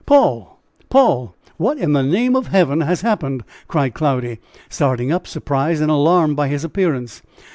"Paul! Paul! what in the name of Heaven has happened?" cried Cloudy, starting up, surprised and alarmed by his appearance.